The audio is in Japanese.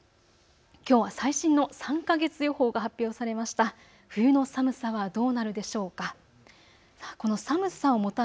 きょうは最新の３か月予報が発表されました。